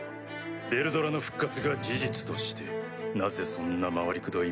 ヴェルドラの復活が事実としてなぜそんな回りくどい